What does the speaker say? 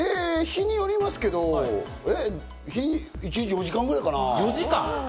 日によりますけど一日４時間ぐらいかな。